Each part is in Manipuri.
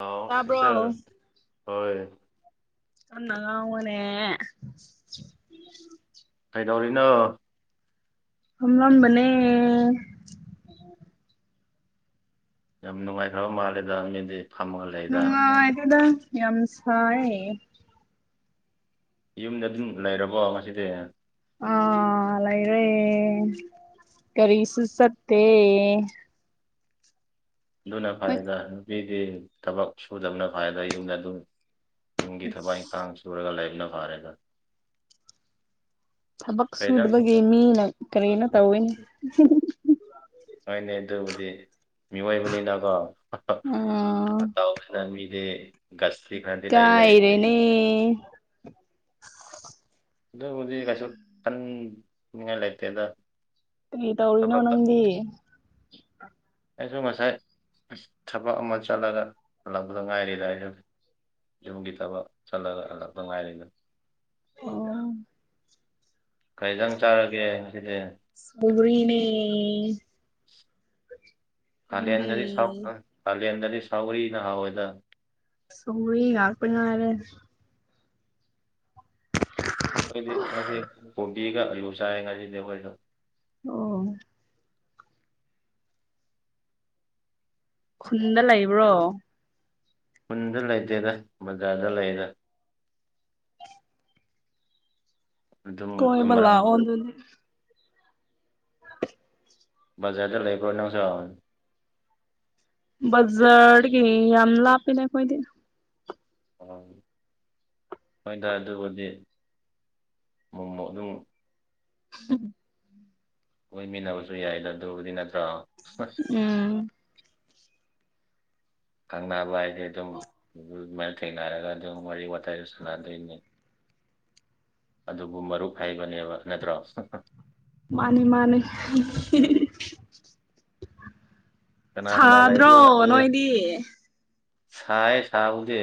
ꯑꯥꯎ ꯁꯤꯁꯇꯔ ꯇꯥꯕ꯭ꯔꯣ ꯍꯣꯏ ꯑꯟꯅꯗ ꯎꯅꯦ ꯀꯩꯗꯧꯔꯤꯔꯤꯅ ꯍꯂꯝꯕꯅꯦ ꯌꯥꯝ ꯅꯨꯡꯉꯥꯏꯈ꯭ꯔꯕ ꯃꯥꯜꯂꯦꯗ ꯃꯤꯦꯟꯗꯤ ꯅꯨꯡꯉꯥꯏꯥꯏꯗ ꯌꯥꯝ ꯁꯥꯏꯌꯦ ꯌꯨꯝꯗ ꯑꯗꯨꯝ ꯂꯩꯔꯕꯣ ꯉꯁꯤꯗꯤ ꯑ ꯂꯥꯏꯔꯦ ꯀꯔꯤ ꯁꯨꯁꯠꯇꯦ ꯑꯗꯨꯅ ꯍꯣꯏ ꯐꯗ ꯅꯨꯄꯤꯒꯤ ꯊꯕꯛ ꯁꯨꯗꯕꯅ ꯐꯗ ꯌꯨꯝꯗ ꯑꯗꯨꯝ ꯇꯤꯡꯒꯤ ꯊꯕꯛ ꯏꯪꯊꯥꯡ ꯁꯨꯔꯒ ꯂꯥꯏꯕꯅ ꯐꯥꯔꯦꯒ ꯊꯕꯛ ꯁꯨꯗꯕꯒꯤ ꯃꯤꯅ ꯀꯔꯤꯅ ꯇꯧꯋꯤꯅꯦ ꯍꯥꯏꯥꯏꯅꯩ ꯑꯗꯨꯕꯨꯗꯤ ꯃꯤꯑꯣꯏꯕꯅꯤꯅꯀꯣ ꯑꯥ ꯇꯅ ꯒꯤ ꯀꯥꯏꯔꯦꯅꯤ ꯑꯗꯨꯕꯨꯗꯤ ꯀꯩꯁꯨ ꯈꯟꯅꯤꯡꯉꯥꯏ ꯂꯩꯇꯦꯗ ꯔꯤ ꯇꯧꯔꯤꯅꯣ ꯊꯕꯛꯇ ꯅꯪꯗꯤ ꯑꯩꯁꯨ ꯉꯁꯥꯏ ꯊꯕꯛ ꯑꯃ ꯆꯠꯂꯒꯂꯛꯄꯗ ꯉꯥꯏꯔꯤꯦꯗ ꯑꯩ ꯍꯧꯖꯤꯛ ꯌꯨꯝꯒꯤ ꯊꯕꯛ ꯆꯠꯂꯒ ꯍꯜꯂꯞꯄ ꯉꯉꯥꯏꯔꯤꯅ ꯑꯣ ꯀꯩꯖꯥꯡ ꯆꯥꯔꯒꯦ ꯉꯥꯁꯤꯗꯤ ꯁꯧꯒꯔꯤꯅꯦ ꯅꯪꯗꯤ ꯀꯥꯂꯦꯟꯗꯗꯤ ꯁꯥꯎ ꯀꯥꯂꯦꯟꯗꯗꯤ ꯁꯥꯎꯒꯔꯤꯅ ꯍꯥꯎꯋꯦꯗ ꯁꯧꯒ꯭ꯔꯤ ꯉꯥꯛꯇ ꯉꯥꯢꯔꯦ ꯑꯩꯈꯣꯏꯗꯤ ꯉꯁꯤ ꯀꯣꯕꯤꯒ ꯑꯂꯨ ꯆꯥꯢ ꯉꯥꯁꯤꯗꯤ ꯑꯩꯈꯣꯢꯗꯣ ꯑꯣ ꯈꯨꯟꯗ ꯂꯩꯕ꯭ꯔꯣ ꯈꯨꯟꯗ ꯂꯩꯇꯦꯗ ꯕꯖꯥꯔꯗ ꯂꯩꯗ ꯑꯗꯨꯝ ꯀꯣꯏꯕ ꯑꯃꯔꯝ ꯂꯥꯛꯑꯣꯗꯨꯗꯤ ꯕꯖꯥꯔꯗ ꯂꯩꯕ꯭ꯔꯣ ꯅꯪꯁꯨ ꯕꯖꯥꯔꯠꯗꯒꯤ ꯌꯥꯝ ꯂꯥꯞꯄꯤꯗ ꯑꯩꯈꯣꯏꯗꯤ ꯑꯣ ꯍꯣꯏꯗ ꯑꯗꯨꯕꯨꯗꯤ ꯃꯣꯃꯣ ꯑꯗꯨꯝ [unintelligible] ꯀꯣꯏꯃꯤꯟꯅꯕꯁꯨ ꯌꯥꯏꯗ ꯑꯗꯨꯕꯨꯗꯤ ꯅꯠꯇ꯭ꯔꯣ ꯎꯝ ꯈꯪꯅꯕ ꯍꯥꯏꯗꯤ ꯑꯗꯨꯝ ꯎ ꯑꯗꯨꯃꯥꯏꯅ ꯊꯦꯡꯅꯔꯒ ꯑꯗꯨꯝ ꯋꯥꯔꯤ ꯋꯥꯇꯥꯏ ꯁꯥꯟꯅꯗꯣꯏꯅꯤ ꯑꯗꯨꯕꯨ ꯃꯔꯨꯞ ꯍꯥꯏꯕꯅꯦꯕ ꯅꯠꯇ꯭ꯔꯣ ꯃꯟꯅꯤ ꯃꯟꯅꯤ ꯀꯅꯥ ꯀꯅꯥ ꯁꯥꯗ꯭ꯔꯣ ꯅꯣꯏꯗꯤ ꯁꯥꯏꯌꯦ ꯁꯥꯕꯨꯗꯤ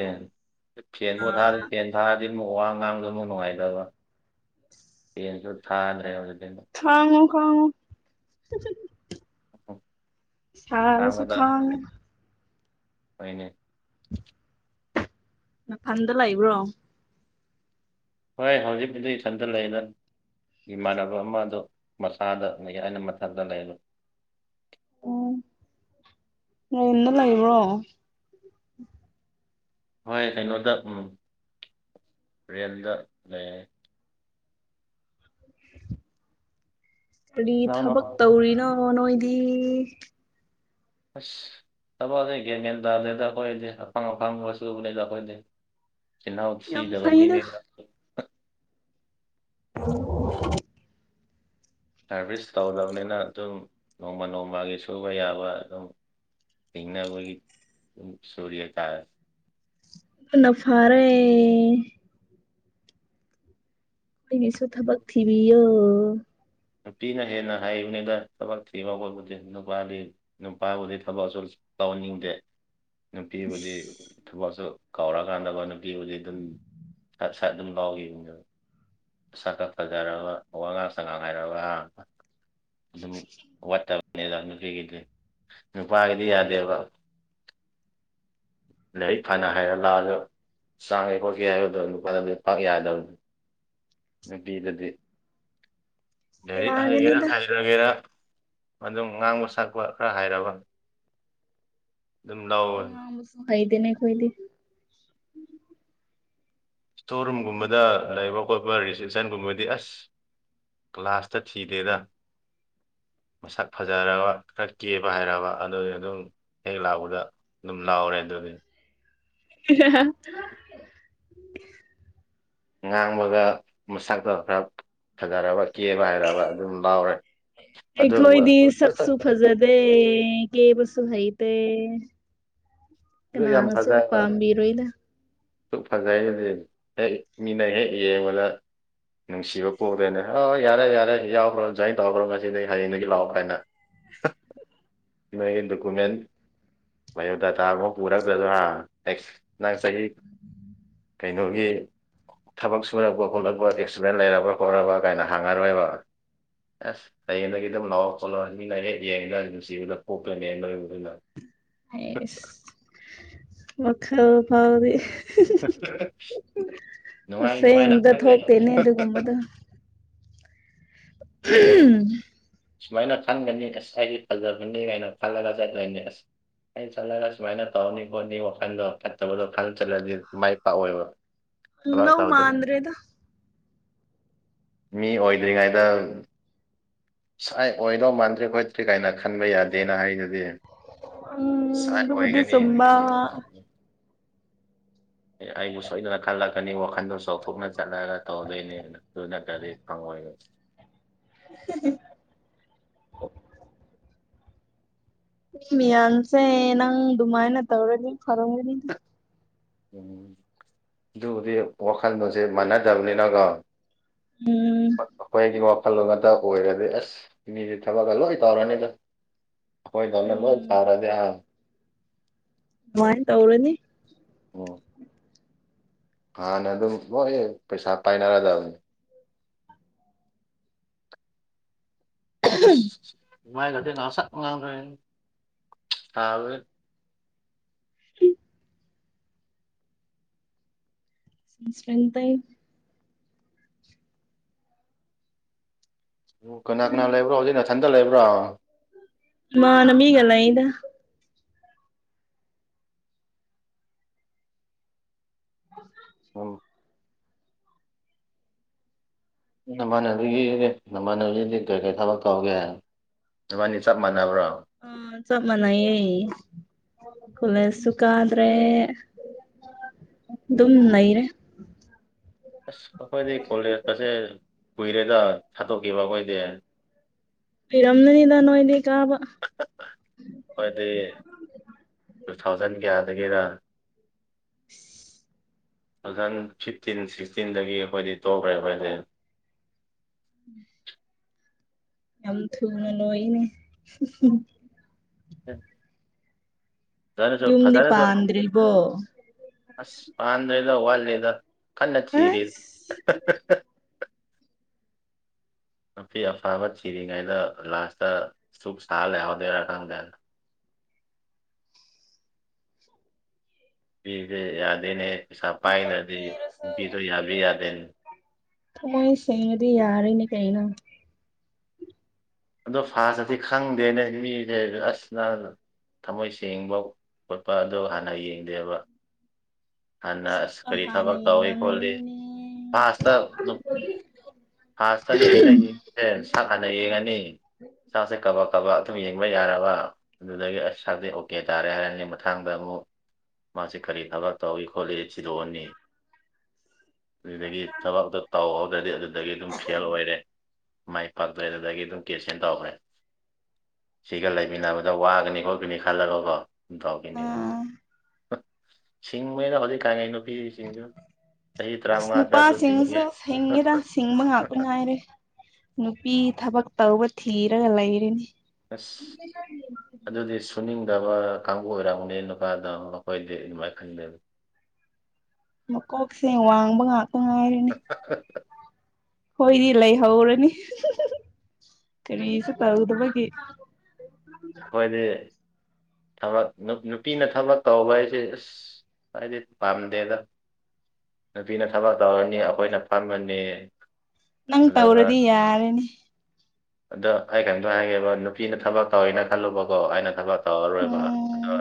ꯐꯦꯟꯕꯣ ꯊꯥꯗ꯭ꯔꯤ ꯐꯦꯟ ꯊꯥ ꯑꯗꯨꯗꯤ ꯑꯃꯨꯛ ꯋꯥ ꯉꯥꯡꯕꯗꯃꯨꯛ ꯅꯨꯡꯉꯥꯏꯇꯕ ꯌꯦꯟꯁꯨ ꯊꯥꯗ꯭ꯔꯦ ꯍꯧꯖꯤꯛꯇꯤ ꯑꯗꯨꯝ ꯈꯥꯡꯉꯣ ꯈꯥꯡꯉꯣ ꯁꯥꯔꯁꯨ ꯈꯥꯡꯉꯣ ꯍꯣꯢꯅꯦ ꯅꯐꯝꯗ ꯂꯩꯏꯕ꯭ꯔꯣ ꯍꯣꯏ ꯍꯧꯖꯤꯛꯄꯨꯗꯤ ꯏꯊꯟꯇ ꯂꯩꯗ ꯏꯃꯥꯟꯅꯕ ꯑꯃꯗꯣ ꯃꯁꯥꯗ ꯂꯩ ꯍꯥꯢꯅ ꯃꯊꯛꯇ ꯂꯩꯍꯜꯂꯨ ꯑꯣ ꯅꯌꯨꯝꯗ ꯂꯩꯕ꯭ꯔꯣ ꯍꯣꯏ ꯀꯩꯅꯣꯗ ꯎꯝ ꯔꯦꯜꯗ ꯂꯩ ꯍꯥꯏꯌꯦ ꯀꯔꯤ ꯅꯪꯅ ꯊꯕꯛ ꯇꯧꯔꯤꯅꯣ ꯅꯣꯏꯗꯤ ꯑꯁ ꯊꯕꯛꯁꯦ ꯒꯤꯌꯥꯟ ꯃꯦꯟ ꯇꯥꯗꯦꯗ ꯑꯩꯈꯣꯏꯗꯤ ꯑꯐꯪ ꯑꯐꯪꯕ ꯆꯨꯕꯅꯦꯗ ꯑꯩꯈꯣꯏꯗꯤ ꯆꯤꯜꯍꯥꯎ ꯌꯥꯝ ꯁꯤꯗꯕ ꯐꯩꯗ ꯃꯤꯅꯤꯅ [unintelligible] ꯁꯥꯔꯚꯤꯁ ꯇꯧꯗꯕꯅꯤꯅ ꯑꯗꯨꯝ ꯅꯣꯡꯃ ꯅꯣꯡꯃꯒꯤ ꯁꯨꯕ ꯌꯥꯕ ꯑꯗꯨꯝ ꯍꯟꯅꯕꯨꯒꯤ ꯗꯨꯝ ꯁꯨꯨꯔꯤꯌꯥ ꯇꯔꯦ ꯍꯨꯅ ꯐꯥꯔꯦ ꯑꯩꯒꯤꯁꯨ ꯊꯕꯛ ꯊꯤꯕꯤꯌꯣ ꯅꯨꯄꯤꯅ ꯍꯦꯟꯅ ꯍꯩꯕꯅꯤꯗ ꯊꯕꯛ ꯊꯤꯕ ꯈꯣꯠꯄꯗꯤ ꯅꯨꯄꯥꯗꯤ ꯅꯨꯄꯥꯕꯨꯗꯤ ꯊꯕꯛ ꯑꯁꯨ ꯇꯧꯅꯤꯡꯗꯦ ꯅꯨꯄꯤꯕꯨꯗꯤ ꯊꯕꯛꯁꯨ ꯀꯥꯎꯔꯀꯥꯟꯗꯀꯣ ꯅꯨꯄꯤꯕꯨꯗꯤ ꯑꯗꯨꯝ ꯁꯠ ꯁꯠ ꯑꯗꯨꯝ ꯂꯥꯎꯒꯤꯕꯅꯦꯕ ꯁꯥꯛꯀꯥ ꯐꯥꯖꯔꯕ ꯋꯥꯉꯥꯡ ꯁꯉꯥꯡ ꯍꯩꯔꯕ ꯍꯥ ꯌꯨꯝ ꯋꯥꯇꯕꯅꯦꯗ ꯅꯨꯄꯤꯒꯤꯗꯤ ꯅꯨꯄꯥꯒꯤꯗꯤ ꯌꯥꯗꯦꯕ ꯂꯥꯏꯔꯤꯛ ꯐꯥꯅ ꯍꯥꯏꯔ ꯂꯥꯛꯑꯖꯨ ꯆꯥꯡꯒꯦ ꯈꯣꯠꯀꯦ ꯍꯥꯏꯕꯗꯣ ꯅꯨꯄꯥꯗꯗꯤ ꯄꯥꯛ ꯌꯥꯗꯕꯅꯤ ꯅꯨꯄꯤꯗꯗꯤ ꯂꯥꯏꯔꯤꯛ ꯍꯩꯒꯦꯔꯥ ꯌꯥꯒꯅꯤꯗ ꯍꯩꯔꯣꯢꯒꯦꯔꯥ ꯑꯗꯨꯝ ꯉꯥꯡꯕ ꯁꯛꯄ ꯈꯔ ꯍꯩꯔꯕ ꯑꯗꯨꯝ ꯂꯧꯔꯕꯅꯤ ꯑꯃꯁꯨ ꯍꯩꯇꯦꯅꯦ ꯑꯩꯈꯣꯢꯗꯤ ꯁꯣꯔꯨꯝ ꯒꯨꯝꯕꯗ ꯂꯩꯕ ꯈꯣꯠꯄ ꯔꯤꯁꯇ꯭ꯔꯤꯛꯁꯟ ꯒꯨꯝꯕꯗꯤ ꯑꯁ ꯀ꯭ꯂꯥꯁꯇ ꯊꯤꯔꯦꯔ ꯃꯁꯛ ꯐꯖꯔꯕ ꯈꯔ ꯀꯦꯕ ꯍꯥꯏꯔꯕ ꯑꯗꯨ ꯑꯗꯨꯝ ꯍꯦꯛ ꯂꯥꯛꯄꯗ ꯑꯗꯨꯝ ꯂꯥꯎꯔꯦ ꯑꯗꯨꯗꯤ [unintelligible] ꯉꯥꯡꯕꯒ ꯃꯁꯛꯛꯇ ꯈꯔ ꯐꯊꯔꯕ ꯀꯦꯕ ꯍꯥꯏꯒ ꯑꯗꯨꯝ ꯂꯥꯎꯔꯦ ꯑꯗꯨ ꯗ ꯀ ꯄꯁꯨꯣ ꯍꯥꯏꯩ ꯇ ꯑꯗꯨ ꯌꯥꯝ ꯅꯥꯅꯁꯨ ꯄꯥꯝꯕꯤꯔꯣꯣꯏꯅ ꯁ ꯐꯖꯩꯒꯗꯤ ꯍꯦꯛ ꯃꯤꯅ ꯍꯦꯛ ꯌꯦꯡꯕꯗ ꯅꯨꯡꯁꯤꯕ ꯄꯨꯔꯦꯅꯦ ꯍꯣꯏ ꯌꯥꯔꯦ ꯌꯥꯔꯦ ꯌꯥꯎꯈ꯭ꯔꯣ ꯑꯗꯨꯖꯥꯏꯟ ꯇꯧꯈ꯭ꯔꯣ ꯉꯁꯤꯗꯒꯤ ꯍꯌꯦꯡꯗꯒꯤ ꯂꯥꯛꯑꯣ ꯍꯥꯏꯅ ꯃꯣꯏꯒꯤ ꯗꯣꯀꯨꯃꯦꯟ ꯕꯥꯌꯑꯣꯗꯥꯇꯥ ꯑꯃꯨꯛ ꯄꯨꯔꯛꯇꯗꯔꯥ ꯅꯁ ꯅꯪ ꯆꯍꯤ ꯀꯩꯅꯣꯒꯤ ꯊꯕꯛ ꯁꯨꯔꯛꯄ ꯈꯣꯠꯂꯛꯄ ꯑꯦꯛꯁꯤꯗꯦꯟ ꯂꯩꯔꯕ ꯈꯣꯠꯂꯔꯕ ꯀꯥꯏꯅ ꯍꯥꯡꯉꯔꯣꯏꯕ ꯑꯁ ꯍꯌꯦꯡꯗꯒꯤ ꯑꯗꯨꯝ ꯂꯥꯎꯔ ꯈꯣꯠꯂꯣ ꯂꯥꯏꯔꯦꯛ ꯌꯦꯡꯉꯗ ꯅꯨꯡꯁꯤꯕꯗ ꯄꯣꯛꯂꯅꯦ ꯂꯣꯏꯕꯗꯨꯅ ꯁ ꯃ ꯈ ꯐꯥꯎꯗꯤ ꯅꯨꯡꯉꯥꯏ ꯅꯨꯡꯉꯥꯏ ꯑꯁꯦꯡꯕꯗ ꯂꯪꯈ꯭ꯔ ꯊꯣꯛꯇꯦꯅꯦ ꯍ ꯁ ꯁꯨꯃꯥꯏꯅ ꯈꯟꯒꯅꯤ ꯑꯁ ꯑꯩꯗꯤ ꯐꯖꯕꯅꯤ ꯀꯥꯏꯅ ꯈꯜꯂꯒ ꯆꯠꯂꯅꯤ ꯑꯁ ꯑꯩ ꯆꯠꯂꯒ ꯁꯨꯃꯥꯏꯅ ꯇꯧꯔꯅꯤ ꯈꯣꯠꯅꯤ ꯋꯥꯈꯜꯗꯣ ꯐꯠꯇꯕꯗꯣ ꯈꯜ ꯆꯠꯂꯗꯤ ꯃꯥꯏ ꯄꯥꯛꯑꯣꯦꯕ ꯐ ꯅꯧ ꯇꯗꯒ ꯃꯥꯟꯗ꯭ꯔꯦꯗ ꯃꯤ ꯑꯣꯏꯗ꯭ꯔꯤꯉꯩꯗ ꯁꯥꯏ ꯑꯣꯏꯩꯅꯣ ꯃꯥꯟꯇ꯭ꯔꯤꯣꯏ ꯀꯔꯤ ꯀꯥꯏꯅ ꯈꯟꯕ ꯌꯥꯗꯦꯅ ꯍꯥꯏꯗꯨꯗꯤ ꯎꯝ ꯁꯥꯏ ꯑꯗꯨꯕꯨꯗꯤ ꯑꯣꯏꯒꯅꯤ ꯆꯨꯝꯕ ꯑꯩꯕꯨ ꯁꯣꯏꯗꯅ ꯈꯜꯂꯛꯀꯅꯤ ꯋꯥꯈꯟꯗꯣ ꯆꯥꯎꯊꯣꯛꯅ ꯆꯠꯂꯒ ꯇꯧꯗꯣꯏꯅꯦ ꯑꯗꯨꯅ ꯈꯪ ꯑꯣꯏꯣꯏ [inaudible] ꯃꯤꯌꯥꯟꯁꯦ ꯅꯪ ꯑꯗꯨꯃꯥꯏꯅ ꯇꯧꯔꯒ ꯐꯔꯝꯒꯅꯤꯗ ꯎꯝ ꯑꯗꯨꯕꯨꯗꯤ ꯋꯥꯈꯜꯂꯣꯟꯁꯦ ꯃꯥꯟꯅꯗꯕꯅꯤꯅꯀꯣ ꯎꯝ ꯑꯩꯈꯣꯏꯒꯤ ꯋꯥꯈꯜꯂꯣꯟ ꯉꯥꯛꯇ ꯑꯣꯏꯔꯗꯤ ꯑꯁ ꯏꯅꯤꯁꯦ ꯊꯕꯛꯀ ꯂꯣꯏ ꯇꯧꯔꯅꯤꯗ ꯑꯩꯈꯣꯏꯗꯧꯅꯤ ꯂꯣꯏ ꯎꯝ ꯊꯥꯔꯗꯤ ꯑ ꯃꯥꯥꯏꯟ ꯇꯧꯔꯅꯤ ꯑꯣ ꯍꯥꯟꯅ ꯑꯗꯨꯕꯨ ꯂꯣꯏꯌꯦ ꯄꯩꯁꯥ ꯄꯥꯏꯅꯔꯗꯕꯅꯤ ꯑꯁ ꯃꯥꯏ ꯈꯗꯅ ꯆ ꯉ ꯉꯥꯡꯈ ꯇꯕ ꯁ꯭ꯔꯦꯟꯇꯥꯏ ꯑꯣ ꯀꯅꯥ ꯀꯅꯥ ꯂꯩꯕ꯭ꯔꯣ ꯍꯧꯖꯤꯛ ꯅꯅꯥꯊꯟꯗ ꯂꯩꯕ꯭ꯔꯣ ꯃꯥ ꯅꯃꯤ ꯂꯏꯗ ꯑꯣ ꯅꯃꯥꯟꯅꯕꯤꯒꯤ ꯅꯃꯥꯟꯅꯕꯤꯗꯤ ꯀꯩ ꯀꯩ ꯊꯕꯛ ꯀꯧꯒꯦ ꯑꯗꯨꯕꯥꯅꯤ ꯆꯞ ꯃꯥꯟꯅꯕ꯭ꯔꯣ ꯑ ꯆꯃꯅ ꯑꯦ ꯈꯂ ꯁꯨꯈ ꯑꯗꯨ꯭ꯔꯦ ꯑ ꯑꯗꯨꯝ ꯅꯩꯔꯦ ꯑꯁ ꯑꯩꯈꯣꯏꯗꯤ ꯀꯣꯂꯦꯖꯀꯁꯦ ꯀꯨꯏꯔꯦꯗ ꯊꯥꯠꯇꯣꯛꯈꯤꯕ ꯑꯩꯈꯣꯏꯗꯤ ꯏꯔꯝꯗꯅꯤꯗ ꯅꯣꯣꯏꯗꯤ ꯀꯥꯕ ꯍꯣꯏꯗꯤ ꯇꯨ ꯊꯥꯎꯖꯟ ꯀꯌꯥꯗꯒꯤꯅ [inaudible] ꯇꯨ ꯊꯥꯎꯖꯟ ꯐꯤꯐꯇꯤꯟ ꯁꯤꯛꯁꯇꯤꯟꯗꯒꯤ ꯑꯩꯈꯣꯏꯗꯤ ꯇꯣꯛꯈ꯭ꯔꯦ ꯑꯩꯈꯣꯏꯗꯤ [inaudible] ꯌꯥꯝꯝ ꯊꯨꯅ ꯂꯣꯏꯅꯦ ꯐꯖꯔꯖꯨ ꯌꯨꯝꯗꯤ ꯐꯖꯔꯖꯨ ꯄꯥꯟꯗ꯭ꯔꯤꯕꯣ ꯑꯁ ꯄꯥꯟꯗꯔꯦꯗ ꯋꯥꯟ ꯗꯦꯗ ꯀꯟꯅ ꯊꯤꯔꯤ ꯑꯁ ꯅꯨꯄꯤ ꯑꯐꯕ ꯊꯤꯔꯤꯉꯩꯗ ꯂꯥꯁꯇ ꯆꯨꯛ ꯁꯥ ꯂꯩꯍꯧꯗꯣꯏꯔꯥ ꯈꯪꯗꯦ ꯅꯨꯄꯤꯖꯦ ꯌꯥꯗꯦꯅꯦ ꯄꯩꯁꯥ ꯃꯁꯛ ꯄꯥꯏꯗ꯭ꯔꯗꯤ ꯊꯤꯔꯁꯨ ꯅꯨꯄꯤꯁꯨ ꯌꯥꯕꯤ ꯌꯥꯗꯦꯅꯦ ꯊꯃꯣꯏ ꯁꯦꯡꯉꯥꯗꯤ ꯌꯥꯔꯦꯅꯦ ꯀꯩꯅꯣ ꯑꯗꯣ ꯐꯖꯇꯥꯗꯤ ꯈꯪꯗꯦꯅꯦ ꯃꯤꯁꯦ ꯑꯁ ꯅ ꯊꯃꯣꯏ ꯁꯦꯡꯕ ꯈꯣꯠꯄ ꯑꯗꯨ ꯍꯥꯟꯅ ꯌꯦꯡꯗꯦꯕ ꯍꯟꯅꯥ ꯑꯁ ꯀꯔꯤ ꯍꯥꯟꯅ ꯊꯕꯛ ꯇꯧꯋꯤ ꯈꯣꯠꯜꯂꯤ ꯌꯦꯡꯂꯝꯒꯅꯤꯅꯦ ꯐꯥꯁꯇ ꯐꯥꯁꯇ ꯅꯨꯄꯤꯅ ꯌꯦꯡꯉꯤꯁꯦ ꯁꯛ ꯍꯥꯟꯅ ꯌꯦꯡꯉꯅꯤ ꯁꯥꯛꯁꯦ ꯀꯕꯛ ꯀꯕꯛ ꯑꯗꯨꯝ ꯌꯦꯡꯕ ꯌꯥꯔꯕ ꯑꯗꯨꯗꯒꯤ ꯑꯁ ꯁꯥꯛꯇꯤ ꯑꯣꯀꯦ ꯇꯥꯔꯦ ꯍꯥꯏꯔꯅꯤ ꯃꯊꯥꯡꯗ ꯑꯃꯨꯛ ꯃꯥꯁꯤ ꯀꯔꯤ ꯊꯕꯛ ꯇꯧꯏ ꯈꯣꯠꯂꯤ ꯊꯤꯗꯣꯛꯑꯅꯤ ꯑꯗꯨꯗꯒꯤ ꯊꯕꯛꯇꯣ ꯇꯥꯎꯍꯧꯗ꯭ꯔꯗꯤ ꯑꯗꯨꯗꯒꯤ ꯑꯗꯨꯝ ꯐꯦꯜ ꯑꯣꯏꯔꯦ ꯃꯥꯏ ꯄꯥꯛꯇ꯭ꯔꯦ ꯑꯗꯨꯗꯒꯤ ꯗꯨꯝ ꯀꯦꯟꯁꯦꯟ ꯇꯧꯈ꯭ꯔꯦ ꯁꯤꯒ ꯂꯩꯃꯤꯟꯅꯕꯗ ꯋꯥꯒꯅꯤ ꯈꯣꯠꯀꯅꯤ ꯈꯜꯂꯒꯀꯣ ꯗꯥꯎꯒꯤꯅꯤ ꯑꯥ ꯁꯤꯡꯕꯅꯤꯗ ꯍꯧꯖꯤꯛ ꯀꯥꯉꯩ ꯅꯨꯄꯤ ꯁꯤꯡꯖꯨ ꯑꯁ ꯅꯨꯄꯥꯁꯤꯡꯁꯨ ꯁꯤꯡꯉꯤꯗ ꯁꯤꯡꯕ ꯉꯥꯛꯇ ꯉꯥꯏꯔꯦ ꯅꯨꯄꯤ ꯊꯕꯛ ꯇꯧꯕ ꯊꯤꯔꯒ ꯂꯩꯔꯤꯅꯤ ꯑꯁ ꯑꯗꯨꯗꯤ ꯁꯨꯅꯤꯡꯗꯕ ꯀꯥꯡꯕꯨ ꯑꯣꯏꯔꯝꯒꯅꯦ ꯅꯨꯄꯥꯗꯣ ꯑꯩꯈꯣꯏꯗꯤ ꯑꯗꯨꯃꯥꯏ ꯈꯟꯗꯦꯕ ꯃꯀꯣꯛꯁꯦ ꯋꯥꯡꯕ ꯉꯥꯛꯇ ꯉꯥꯏꯔꯅꯤ ꯍꯣꯏꯗꯤ ꯂꯩꯍꯧꯔꯅꯤ ꯀꯔꯤꯁꯨ ꯇꯧꯗꯕꯒꯤ ꯑꯈꯣꯏꯗꯤ ꯊꯕꯛ ꯅꯨꯄꯤꯅ ꯊꯕꯛ ꯇꯧꯕ ꯍꯥꯏꯁꯤ ꯑꯁ ꯑꯩꯗꯤ ꯄꯥꯝꯗꯦꯗ ꯅꯨꯄꯤꯅ ꯊꯕꯛ ꯇꯧꯔꯅꯤ ꯑꯩꯈꯣꯏꯅ ꯐꯝꯃꯅꯤ ꯅꯪ ꯑꯗꯨꯒ ꯇꯧꯔꯗꯤ ꯌꯥꯔꯦꯅꯤ ꯑꯗꯣ ꯑꯩ ꯀꯔꯤꯝꯇ ꯍꯥꯏꯒꯦꯕ ꯅꯨꯄꯤꯅ ꯊꯕꯛ ꯇꯧꯋꯦꯅ ꯈꯜꯂꯨꯕꯀꯣ ꯑꯩꯅ ꯊꯕꯛ ꯇꯧꯔꯔꯣꯏꯕ ꯑꯗꯣ ꯎꯝ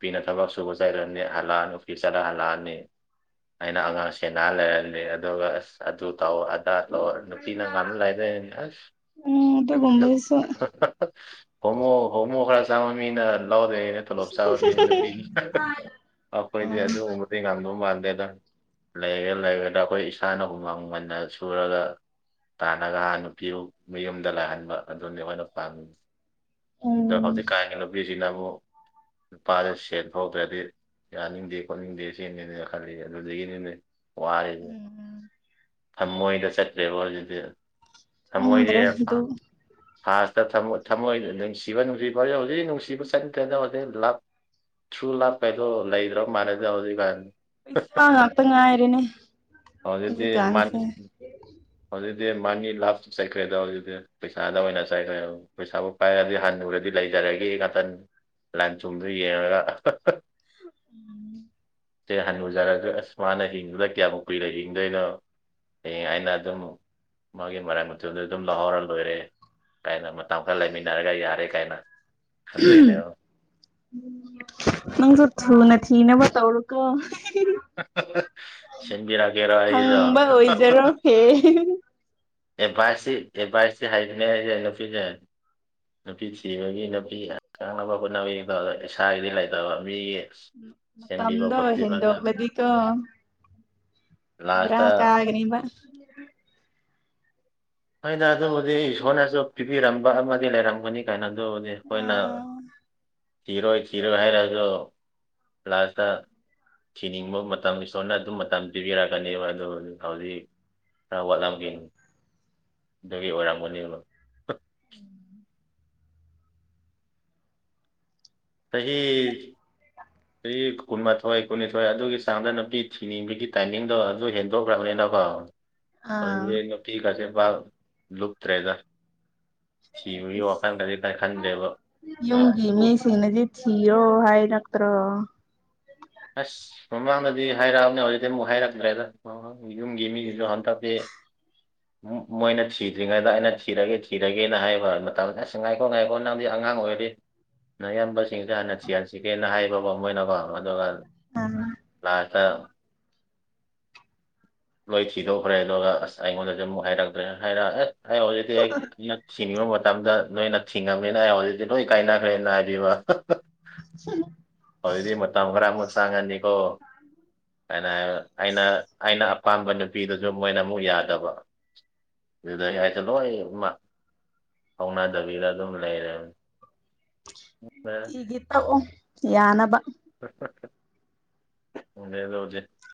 ꯄꯤꯅ ꯊꯕꯛ ꯁꯨꯕ ꯆꯩꯠꯂꯅꯤ ꯍꯜꯂꯛꯑꯅꯤ ꯑꯣꯐꯤꯁ ꯆꯠꯂ ꯍꯜꯂꯛꯑꯅꯤ ꯑꯩꯅ ꯑꯉꯥꯡ ꯁꯦꯅꯥ ꯂꯩꯔꯥꯅꯤ ꯑꯗꯨꯒ ꯑꯁ ꯑꯗꯨ ꯇꯧ ꯑꯗꯥ ꯇꯧ ꯅꯨꯄꯤꯅ ꯉꯥꯝ ꯂꯥꯏꯗꯣꯏꯅꯤ ꯑꯁ ꯎꯝ ꯑꯗꯨꯒꯨꯝꯕꯗꯨꯁꯨ [unintelligible] ꯍꯣꯃꯣ ꯍꯣꯃꯣ ꯈꯔ ꯆꯪꯕ ꯃꯤꯅ ꯂꯧꯗꯣꯏ ꯇꯣꯂꯣꯞ ꯆꯥꯕ ꯃꯤ ꯄꯤꯅꯤ ꯑ ꯑꯈꯣꯏꯗꯤ ꯑꯗꯨꯒꯨꯝꯕꯗꯤ ꯉꯝꯗꯧ ꯃꯥꯟꯗꯦꯗ ꯂꯩꯒꯦꯔ ꯂꯩꯔꯣꯏꯗ ꯑꯩꯈꯣꯏ ꯏꯁꯥꯅ ꯍꯨꯃꯥꯡ ꯃꯟꯅ ꯁꯨꯔꯒ ꯇꯥꯟꯅꯒ ꯅꯨꯄꯤ ꯃꯌꯨꯝꯗ ꯂꯥꯛꯍꯟꯕ ꯑꯗꯨꯅꯤ ꯃꯣꯏꯅ ꯄꯥꯝꯃꯤ ꯎꯝ ꯑꯗꯣ ꯍꯧꯖꯤꯛꯀꯥꯟꯒꯤ ꯅꯨꯄꯤꯁꯤꯅ ꯑꯃꯨꯛ ꯅꯨꯄꯥꯖꯦ ꯁꯦꯟ ꯊꯣꯛꯇ꯭ꯔꯥꯗꯤ ꯌꯥꯅꯤꯡꯗꯦ ꯈꯣꯠꯅꯤꯡꯗꯦ ꯁꯦꯡꯅꯦꯅ ꯈꯜꯂꯤ ꯑꯗꯨꯗꯒꯤꯅꯤꯅꯦ ꯋꯥꯔꯤꯖꯦ ꯎꯝ ꯊꯝꯃꯣꯏꯗ ꯆꯠꯇ꯭ꯔꯦꯕ ꯍꯧꯖꯤꯛꯇꯤ ꯊꯝꯃꯣꯏꯗꯤ ꯈꯪꯗ꯭ꯔꯦ ꯐꯥ ꯑꯗꯨ ꯐꯥꯁꯇ ꯊꯝꯃꯣꯏ ꯊꯃꯣꯏꯅ ꯅꯨꯡꯁꯤꯕ ꯅꯨꯡꯁꯤꯕ ꯍꯧ ꯍꯧꯖꯤꯛ ꯅꯨꯡꯁꯤꯕ ꯆꯟꯇꯔꯦꯗ ꯍꯧꯖꯤꯛ ꯂꯥꯞ ꯊ꯭ꯔꯨ ꯂꯥꯥꯞ ꯀꯩꯗꯣ ꯂꯩꯗ꯭ꯔꯕ ꯃꯥꯟꯜꯂꯦꯗ ꯍꯧꯖꯤꯛꯀꯥꯟ ꯄꯩꯁꯥ ꯉꯥꯛꯇ ꯉꯥꯏꯔꯦꯅꯦ ꯍꯧꯖꯤꯛꯇꯤ ꯃꯥꯅꯤ ꯍꯧꯖꯤꯛꯀꯥꯟꯁꯦ ꯍꯧꯖꯤꯛꯇꯤ ꯃꯥꯅꯤ ꯂꯥꯞ ꯆꯥꯠꯈ꯭ꯔꯦꯗ ꯍꯧꯖꯤꯛꯇꯤ ꯄꯩꯁꯥꯗ ꯑꯣꯏꯅ ꯆꯥꯠꯈ꯭ꯔꯦꯕ ꯄꯩꯁꯥꯕꯨ ꯄꯥꯏꯔꯗꯤ ꯍꯟꯅ ꯎꯔꯗꯤ ꯂꯩꯖꯔꯒꯦ ꯉꯥꯇꯥꯅꯤ ꯂꯥꯟ ꯊꯨꯝꯗꯨ ꯌꯦꯡꯉꯥꯒ ꯎꯝ ꯁꯦ ꯍꯟꯅꯨꯖꯥꯔꯖꯨ ꯑꯁ ꯃꯥꯅ ꯍꯤꯡꯗꯨꯅ ꯀꯌꯥꯃꯨꯛ ꯀꯨꯏꯅ ꯍꯤꯡꯗꯣꯏꯅꯣ ꯍꯌꯦꯡ ꯑꯩꯅ ꯑꯗꯨꯝ ꯃꯥꯒꯤ ꯃꯔꯟ ꯃꯊꯨꯟꯗꯨ ꯗꯨꯝ ꯂꯧꯍꯧꯔꯒ ꯂꯣꯏꯔꯦ ꯀꯥꯏꯅ ꯃꯇꯝ ꯈꯔ ꯂꯩꯃꯤꯟꯅꯔꯒ ꯌꯥꯔꯦ ꯀꯥꯏꯅ [unintelligible] ꯈꯟꯗꯣꯏꯅꯦꯕ ꯅꯪꯁꯨ ꯊꯨꯅ ꯊꯤꯅꯅꯕ ꯇꯧꯔꯣꯀꯣ ꯁꯤꯕꯤꯔ ꯀꯦꯔ ꯍꯥꯏꯖ ꯐꯪꯕ ꯑꯣꯏꯖꯔꯣ ꯍꯦ ꯑꯦ ꯚꯥꯏ ꯁꯤ ꯑꯦꯚꯥꯏ ꯁꯤ ꯍꯥꯏꯒꯅꯦ ꯑꯩꯁꯦ ꯅꯨꯄꯤꯁꯦ ꯅꯨꯄꯤ ꯊꯤꯕꯒꯤ ꯅꯨꯄꯤ ꯀꯪꯅꯕ ꯍꯣꯠꯅꯕꯒꯤ ꯇꯗ ꯏꯁꯥꯒꯤꯗꯤ ꯂꯩꯇꯕ ꯃꯤꯒꯤ ꯁꯕꯤ ꯀꯣ ꯐꯄꯤ ꯄꯖ ꯑꯗꯨꯀ ꯏꯔ ꯂꯥꯁꯇ ꯀ ꯍꯥꯏꯒꯅꯤꯕ ꯍꯣꯏꯩꯅ ꯑꯗꯨꯕꯨꯗꯤ ꯏꯁꯣꯔꯅꯁꯨ ꯄꯤꯕꯤꯔꯝꯕ ꯑꯃꯗꯤ ꯂꯩꯔꯝꯒꯅꯤ ꯀꯥꯏꯅ ꯑꯗꯨꯕꯨꯗꯤ ꯑꯩꯈꯣꯏꯅ ꯑꯥ ꯆꯤꯔꯣ ꯆꯤꯔꯣ ꯍꯥꯏꯔꯁꯨ ꯄ꯭ꯂꯥꯁꯇ ꯊꯤꯅꯤꯡꯕ ꯃꯇꯝ ꯏꯁꯣꯔꯅ ꯑꯗꯨꯝ ꯃꯇꯝ ꯄꯤꯕꯤꯔꯛꯀꯅꯦꯕ ꯑꯗꯨ ꯍꯧꯖꯤꯛ ꯑ ꯋꯥꯂꯂꯝꯒꯅꯤ ꯑꯗꯨꯒꯤ ꯑꯣꯏꯔꯝꯃꯅꯦꯕ ꯆꯍꯤ [inaudible] ꯆꯍꯤ ꯀꯨꯟꯃꯥꯊꯣꯏ ꯀꯨꯟꯅꯤꯊꯣꯏ ꯑꯗꯨꯒꯤ ꯆꯥꯡꯗ ꯅꯨꯄꯤ ꯊꯤꯅꯤꯡꯕꯒꯤ ꯇꯥꯏꯃꯤꯡꯗꯣ ꯑꯗꯨ ꯍꯦꯟꯗꯣꯛꯈ꯭ꯔꯕꯅꯤꯅꯀꯣ ꯑꯥ ꯍꯨꯘꯤꯛꯇꯤ ꯄꯤꯛꯁꯦ ꯄ ꯂꯨꯨꯞꯇ ꯔꯦꯖꯔ ꯁꯤꯕꯒꯤ ꯋꯥꯈꯜ ꯀꯔꯤ ꯀꯥꯏ ꯈꯟꯗ꯭ꯔꯦꯕ ꯇꯤꯌꯣ ꯍꯥꯏ ꯅꯛꯇ꯭ꯔ ꯑꯁ ꯃꯃꯥꯡꯗꯗꯤ ꯍꯥꯏꯔꯛꯑꯕꯅꯦ ꯍꯧꯖꯤꯛꯇꯤ ꯑꯃꯨꯛ ꯍꯥꯏꯔꯛꯇ꯭ꯔꯦꯗ ꯌꯨꯝꯒꯤ ꯃꯤꯁꯤꯁꯨ ꯍꯟꯊꯄ ꯃꯨ ꯃꯣꯏꯅ ꯊꯤꯗ꯭ꯔꯤꯉꯩꯗ ꯑꯩꯅ ꯊꯤꯔꯒꯦ ꯊꯤꯔꯒꯦꯅ ꯍꯥꯏꯕ ꯃꯇꯝꯗ ꯑꯁ ꯉꯥꯏꯈꯣ ꯉꯥꯏꯈꯣ ꯅꯪꯗꯤ ꯑꯉꯥꯡ ꯑꯣꯏꯔꯗꯤ ꯏꯌꯥꯝꯕꯁꯤꯡꯁꯦ ꯍꯥꯟꯅ ꯊꯤꯍꯟꯁꯤꯒꯦꯅ ꯍꯥꯏꯕꯕꯣ ꯃꯣꯏꯅꯀꯣ ꯑꯗꯨꯒ ꯎꯝ ꯂꯥꯛꯒ ꯂꯣꯏ ꯊꯤꯗꯣꯛꯈ꯭ꯔꯦ ꯑꯗꯨꯒ ꯑꯁ ꯑꯩꯉꯣꯟꯗꯁꯨ ꯑꯃꯨꯛ ꯍꯥꯏꯔꯛꯇ꯭ꯔꯦꯅ ꯍꯥꯏꯔꯛ ꯑꯦꯁ ꯑꯩ ꯍꯧꯖꯤꯛꯇꯤ ꯑꯩ ꯑꯩꯅ ꯊꯤꯡꯉꯕ ꯃꯇꯝꯗ ꯅꯣꯏꯅ ꯊꯤꯡꯉꯝꯅꯤꯅ ꯑꯩ ꯍꯧꯖꯤꯛꯇꯤ ꯂꯣꯏ ꯀꯥꯏꯅꯈ꯭ꯔꯦꯅ ꯍꯥꯏꯕꯤꯕ ꯁꯤꯂ ꯑꯗꯨꯗꯤ ꯃꯇꯝ ꯈꯔ ꯑꯃꯨꯛ ꯆꯥꯡꯉꯅꯤꯀꯣ ꯑꯩꯅ ꯍꯥꯏꯕ ꯑꯩꯅ ꯑꯩꯅ ꯑꯄꯥꯝꯕ ꯅꯨꯄꯤꯗꯨꯁꯨ ꯃꯣꯏꯅ ꯃꯨꯛ ꯌꯥꯗꯕ ꯑꯗꯨꯗ ꯌꯥꯇ ꯂꯣꯣꯏ ꯎꯃ ꯍꯧꯅꯗꯕꯤꯗ ꯑꯗꯨꯝ ꯂꯩꯔꯦꯕ ꯍꯒ ꯇ ꯌꯥꯅꯕ ꯍ ꯍ ꯍ ꯎꯅꯦꯗ ꯍꯧꯖꯤꯦ